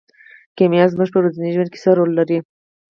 کیمیا زموږ په ورځني ژوند کې څه رول لري.